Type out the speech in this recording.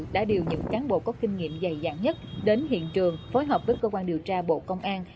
đã điều những cán bộ có kinh nghiệm dày dặn nhất đến hiện trường phối hợp với cơ quan điều tra bộ công an